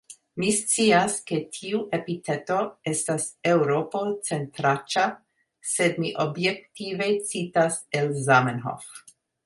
Mi scias, ke tiu epiteto estas eŭropo-centraĉa, sed mi objektive citas el Zamenhof.